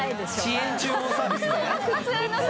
遅延注文サービスだね。